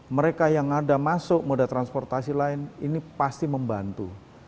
mereka yang ada masuk moda transportasi lain ini pasti membantu